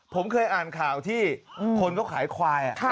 ผมเคยอ่านข่าวที่คนเขาขายควาย